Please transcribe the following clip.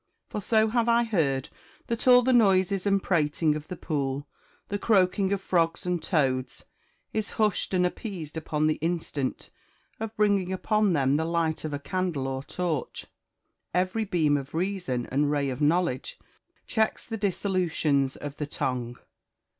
For so have I heard, that all the noises and prating of the pool, the croaking of frogs and toads, is hushed and appeased upon the instant of bringing upon them the light of a candle or torch. Every beam of reason, and ray of knowledge, checks the dissolutions of the tongue."